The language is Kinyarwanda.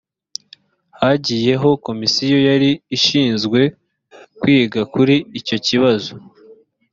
hagiyeho komisiyo yari ishinzwe kwiga kuri icyo kibazo